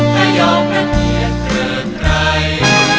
ไม่ยอมระเทียดเกินใคร